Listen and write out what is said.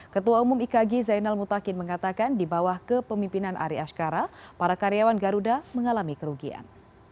ketua umum ikg zainal mutakin mengatakan di bawah kepemimpinan ari ashkara para karyawan garuda mengalami kerugian